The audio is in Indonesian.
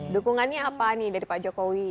dukungannya apa nih dari pak jokowi